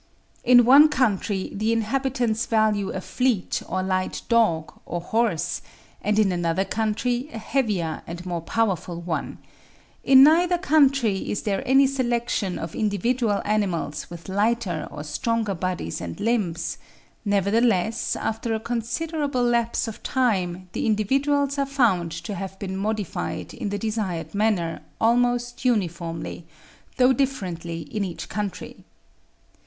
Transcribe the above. In one country the inhabitants value a fleet or light dog or horse, and in another country a heavier and more powerful one; in neither country is there any selection of individual animals with lighter or stronger bodies and limbs; nevertheless after a considerable lapse of time the individuals are found to have been modified in the desired manner almost uniformly, though differently in each country.